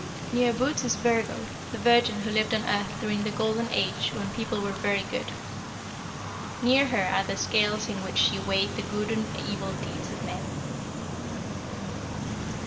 "Near Bootes is Virgo, the Virgin who lived on Earth during the Golden Age when people were very good. Near her are the scales in which she weighed the good and evil deeds of men."